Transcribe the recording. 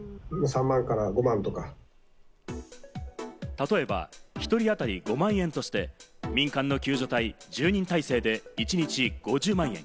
例えば１人当たり５万円として、民間の救助隊１０人態勢で一日５０万円。